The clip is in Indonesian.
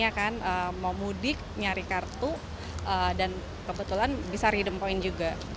ya kan mau mudik nyari kartu dan kebetulan bisa redum point juga